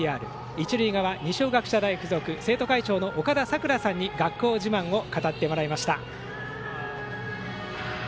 一塁側、二松学舎大付属生徒会長の岡田さくらさんに学校自慢を語ってもらいました。